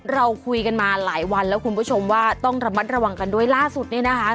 เราคุยกันมาหลายวันแล้วคุณผู้ชมว่าต้องระมัดระวังกันด้วยล่าสุดเนี่ยนะคะ